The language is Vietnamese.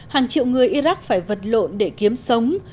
hàng triệu người iraq phải vật lộn để kiếm sống